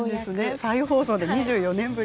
再放送で２４年ぶり。